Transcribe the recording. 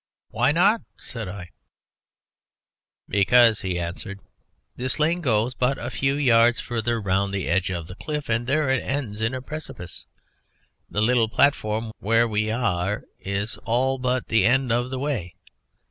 "Why not?" said I. "Because," he answered, "this lane goes but a few yards further round the edge of the cliff, and there it ends in a precipice; the little platform where we are is all but the end of the way.